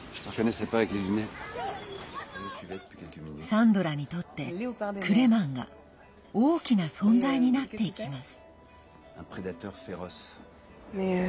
サンドラにとって、クレマンが大きな存在になっていきます。